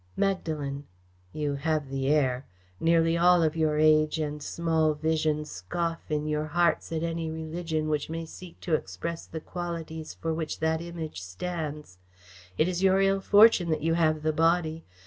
"Magdalen." "You have the air. Nearly all of your age and small vision scoff in your hearts at any religion which may seek to express the qualities for which that Image stands. It is your ill fortune that you have the Body.